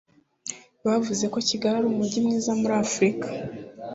Bavuze ko Kigali ari umujyi mwiza muri Afurika